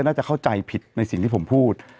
น่าจะเข้าใจผิดในสิ่งที่ผมพูด